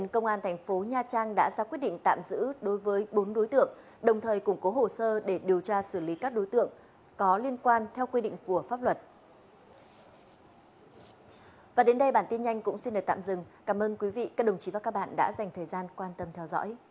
công an tp hcm đã bắt khẩn cấp bùi anh dũng đồng thời đang điều tra làm rõ về hành vi đánh nhân viên bảo vệ